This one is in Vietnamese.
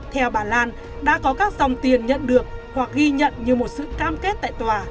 theo bà lan đã có các dòng tiền nhận được hoặc ghi nhận như một sự cam kết tại tòa